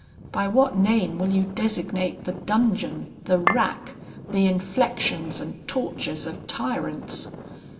By what name will you designate the dungeon, the rack, the inflections and tortures of tyrants?